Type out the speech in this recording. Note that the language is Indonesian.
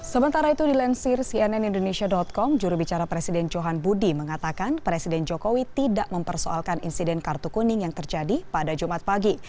sementara itu dilansir cnn indonesia com jurubicara presiden johan budi mengatakan presiden jokowi tidak mempersoalkan insiden kartu kuning yang terjadi pada jumat pagi